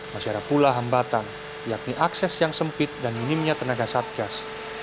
masih ada pula hambatan yakni akses yang sempit dan minimnya tenaga satgas